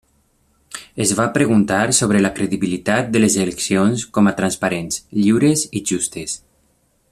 Es va preguntar sobre la credibilitat de les eleccions com a transparents, lliures i justes.